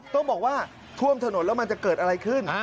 ต้องบอกว่าท่วมถนนแล้วมันจะเกิดอะไรขึ้น